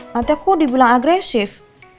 nanti aku dibilang agresif